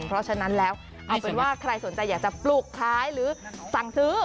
เพราะฉะนั้นแล้วเอาเป็นว่าใครสนใจอยากจะปลูกขายหรือสั่งซื้อ